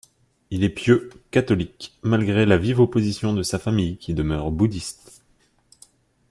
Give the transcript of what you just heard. Il est pieux catholique malgré la vive opposition de sa famille qui demeure bouddhiste.